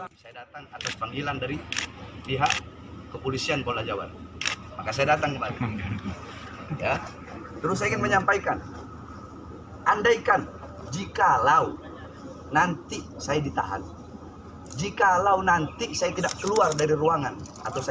bahwasannya berarti ini adalah bentuk bahwasannya keadilan dan demokrasi